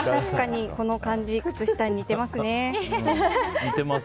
この感じ、靴下に似てますね。